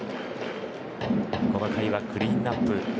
この回はクリーンアップ